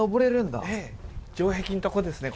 城壁のとこですね